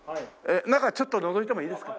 中ちょっとのぞいてもいいですか？